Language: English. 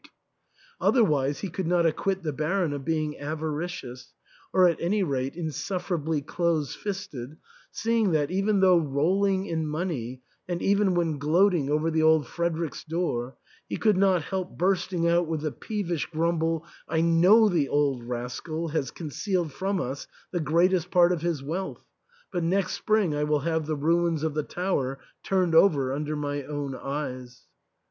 THE ENTAIL. 285 Otherwise he could not acquit the Baron of being avaricious, or at any rate insufferably close fisted, seeing that, even though rolling in money and even when gloating over the old Fredericks (Tor, he could not help bursting out with the peevish grumble, " I know the old rascal has concealed from us the greatest part of his wealth, but next spring I will have the ruins of the tower turned over under my own eyes."